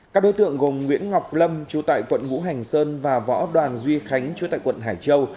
các đối tượng gồm nguyễn ngọc lâm chú tại quận ngũ hành sơn và võ đoàn duy khánh chú tại quận hải châu